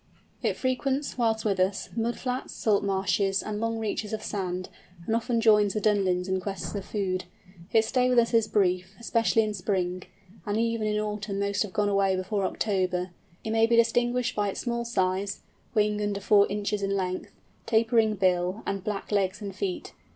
It frequents, whilst with us, mud flats, salt marshes, and long reaches of sand, and often joins the Dunlins in quest of food. Its stay with us is brief, especially in spring, and even in autumn most have gone away before October. It may be distinguished by its small size (wing under 4 inches in length), tapering bill, and black legs and feet.